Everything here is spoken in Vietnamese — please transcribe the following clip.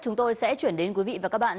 chúng tôi sẽ chuyển đến quý vị và các bạn